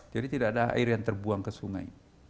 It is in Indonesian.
jadi tidak ada air yang terbuang ke sungai